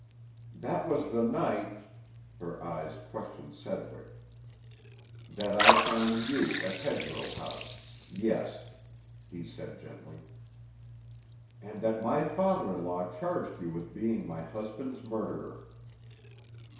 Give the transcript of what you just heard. "That was the night—" her eyes questioned Sedgwick. "That I found you at Hedgerow House. Yes," he said gently. "And that my father in law charged you with being my husband's murderer."